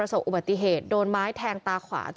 ส่วนของชีวาหาย